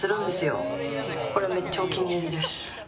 これめっちゃお気に入りです。